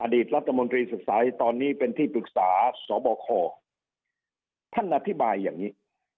รัฐมนตรีศึกษาในตอนนี้เป็นที่ปรึกษาสบคท่านอธิบายอย่างนี้